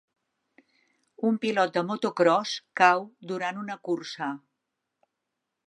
Un pilot de motocròs cau durant una cursa.